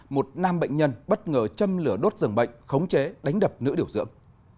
một nam bệnh nhân bất ngờ châm lửa đốt rừng bệnh khống chế đánh đập nữ điều dưỡng